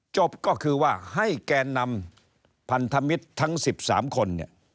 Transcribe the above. จบก็คือว่าให้แกนนำพันธมิตรทั้ง๑๓คนเนี่ย